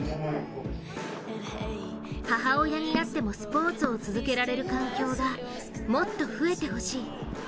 母親になってもスポーツを続けられる環境がもっと増えてほしい。